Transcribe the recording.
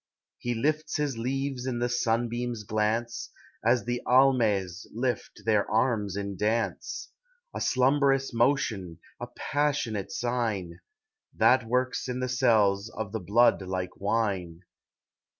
He lifts his leaves in the sunbeam's glance, As the Almehs lift their arms in dance, — A slumberous motion, a passionate sign, That works in the cells of the blood like wine.